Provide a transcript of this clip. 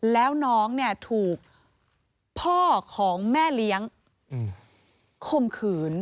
แล้วน้องเนี่ยถูกพ่อของแม่เลี้ยงคมขืน